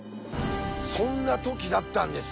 そんな時だったんです。